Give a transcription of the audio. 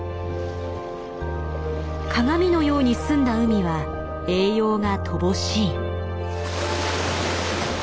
鏡のように澄んだ海は栄養が乏しい。